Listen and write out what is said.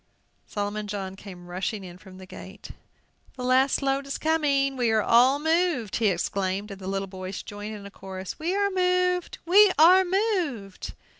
Solomon John came rushing in from the gate. "The last load is coming! We are all moved!" he exclaimed; and the little boys joined in a chorus, "We are moved! we are moved!"